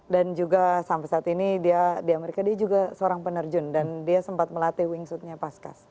dan juga sampai saat ini dia di amerika dia juga seorang penerjun dan dia sempat melatih wingsuitnya paskas